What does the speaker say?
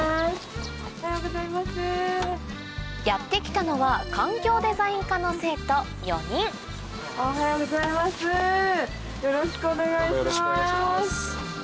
やって来たのは環境デザイン科の生徒４人おはようございますよろしくお願いします！